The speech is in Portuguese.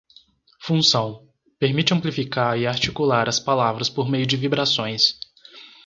Função: permite amplificar e articular as palavras por meio de vibrações.